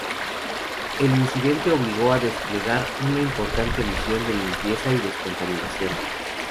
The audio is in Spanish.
El incidente obligó a desplegar una importante misión de limpieza y descontaminación.